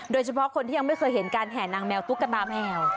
โดยเฉพาะคนที่ยังไม่เคยเห็นการแห่นางแมวตุ๊กตาแมว